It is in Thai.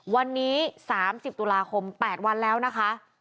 วันนี้๓๐ตุลาคม๘วันแล้วนะคะ